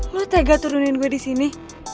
lo tega turunin gue disini